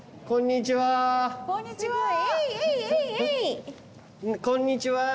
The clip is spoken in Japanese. こんにちは。